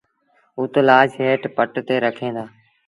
اُت لآش هيٺ پٽ تي رکين دآ